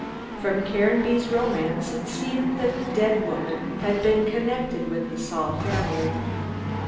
From Caranby's romance, it seemed that the dead woman had been connected with the Saul family.